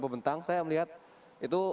pembentang saya melihat itu